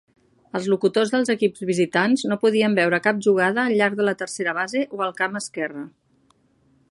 Els locutors dels equips visitants no podien veure cap jugada al llarg de la tercera base o el camp esquerre.